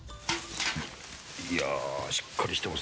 いやあ、しっかりしてます。